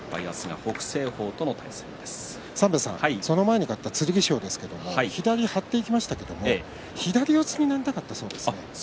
その前に勝った剣翔ですが左を張っていきましたが左四つになりたかったそうです。